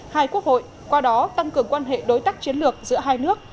hai quốc hội qua đó tăng cường quan hệ đối tác chiến lược giữa hai nước